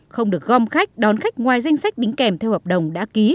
không được gom khách đón khách ngoài danh sách đính kèm theo hợp đồng đã ký